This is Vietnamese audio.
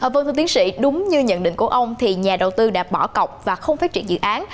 vâng thưa tiến sĩ đúng như nhận định của ông thì nhà đầu tư đã bỏ cọc và không phát triển dự án